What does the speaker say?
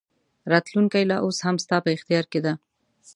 راتلونکې لا اوس هم ستا په اختیار کې ده.